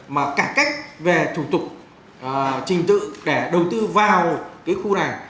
mà cải cách về thủ tục trình tự để đầu tư vào cái khu này